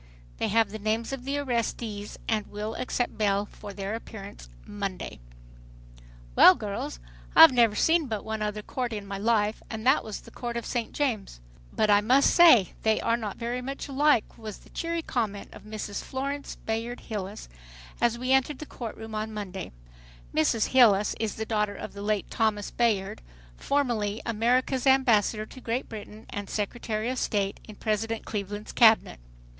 They have the names of the arrestees and will accept bail for their appearance Monday. "Well girls, I've never seen but one other court in my life and that was the Court of St. James. But I must say they are not very much alike," was the cheery comment of Mrs. Florence Bayard Hilles, as we entered the court room on Monday. Mrs. Hilles is the daughter of the late Thomas Bayard, formerly America's ambassador to Great Britain, and Secretary of State in President Cleveland's cabinet.